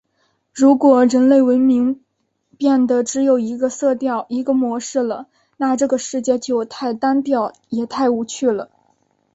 如果人类文明变得只有一个色调、一个模式了，那这个世界就太单调了，也太无趣了！